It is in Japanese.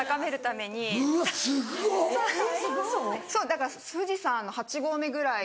だから富士山の８合目ぐらいの。